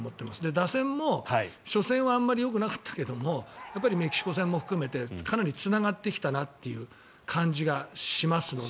打線も初戦はあんまりよくなかったけどやっぱりメキシコ戦も含めてかなりつながってきたなという感じがしますので。